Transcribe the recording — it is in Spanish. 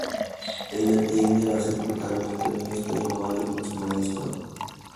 Ella tiende a ser brutalmente honesta y amable con su "maestro".